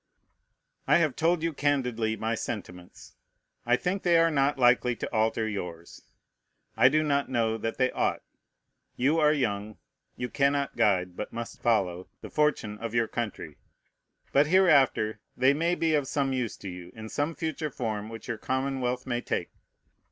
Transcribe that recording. I have told you candidly my sentiments. I think they are not likely to alter yours. I do not know that they ought. You are young; you cannot guide, but must follow, the fortune of your country. But hereafter they may be of some use to you, in some future form which your commonwealth may take.